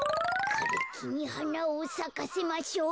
「かれきにはなをさかせましょう」。